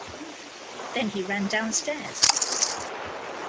Then he ran downstairs.